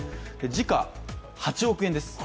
時価８億円です。